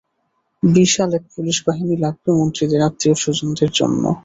বিশাল এক পুলিশ বাহিনী লাগবে মন্ত্রীদের আত্মীয় স্বজনদের জন্যে।